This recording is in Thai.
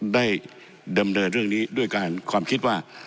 ดำเนินเรื่องนี้ด้วยการความคิดว่า